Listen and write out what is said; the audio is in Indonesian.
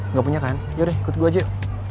nggak punya kan yaudah deh ikut gue aja yuk